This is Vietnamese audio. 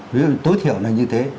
ví dụ tối thiểu là như thế